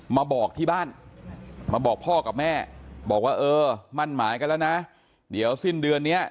มาบอกที่บ้านมาบอกพ่อกับแม่บอกว่าเออมั่นหมายกันแล้วนะเดี๋ยวสิ้นเดือนนี้